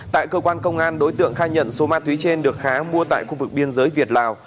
tại cơ quan công an đối tượng khai nhận số ma túy trên được khá mua tại khu vực biên giới việt lào